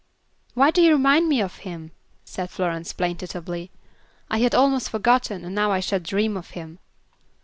"Why do you remind me of him?" said Florence, plaintively. "I had almost forgotten, and now I shall dream of him."